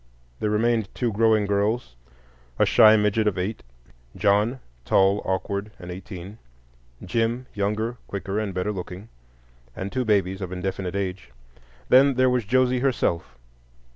There remained two growing girls; a shy midget of eight; John, tall, awkward, and eighteen; Jim, younger, quicker, and better looking; and two babies of indefinite age. Then there was Josie herself.